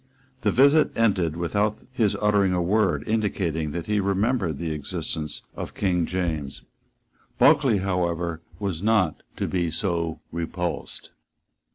The visit ended without his uttering a word indicating that he remembered the existence of King James. Bulkeley, however, was not to be so repulsed.